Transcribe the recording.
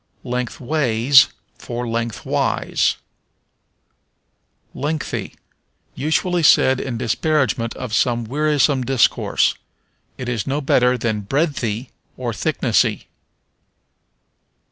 Lengthways for Lengthwise. Lengthy. Usually said in disparagement of some wearisome discourse. It is no better than breadthy, or thicknessy.